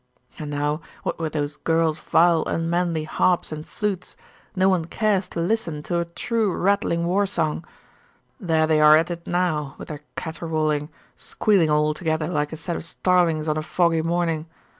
And now, what with those girls' vile unmanly harps and flutes, no one cares to listen to a true rattling warsong. There they are at it now, with their caterwauling, squealing all together like a set of starlings on a foggy morning!